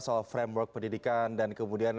soal framework pendidikan dan kemudian